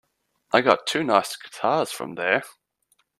I got two nice guitars from there.